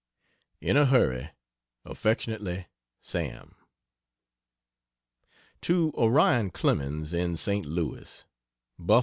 In a hurry Affectionately SAM To Orion Clemens, in St, Louis: BUF.